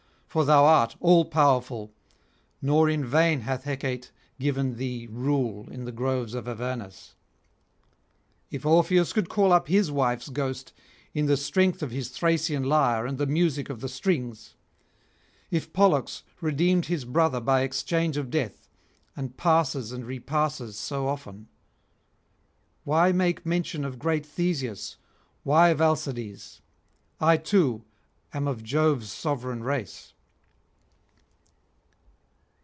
for thou art all powerful, nor in vain hath Hecate given thee rule in the groves of Avernus. If Orpheus could call up his wife's ghost in the strength of his Thracian lyre and the music of the strings, if Pollux redeemed his brother by exchange of death, and passes and repasses so often, why make mention of great Theseus, why of Alcides? I too am of Jove's sovereign race.'